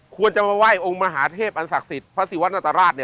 ควรจะมาไหว้องค์มหาเทพอันศักดิ์สิทธิ์พระศิวัตนาตราช